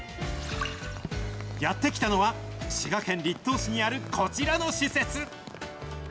やって来たのは、滋賀県栗東市にあるこちらの施設。